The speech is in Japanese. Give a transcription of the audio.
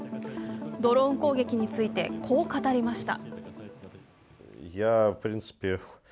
ドローン攻撃についてこう語りました。